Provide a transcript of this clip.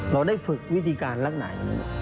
เราได้ฝึกวิธีการรักหน่ายอย่างนั้น